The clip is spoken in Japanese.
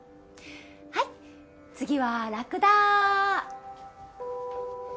はい次はラクダ。